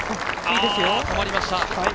止まりました！